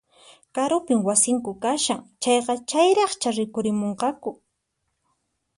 Karupin wasinku kashan, chayqa chayraqchá rikurimunqaku